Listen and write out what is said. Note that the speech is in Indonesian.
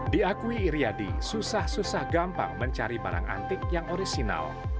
diakui iryadi susah susah gampang mencari barang antik yang orisinal